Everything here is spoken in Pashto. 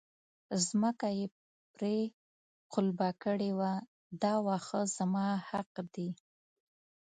ځمکه یې پرې قلبه کړې وه دا واښه زما حق دی.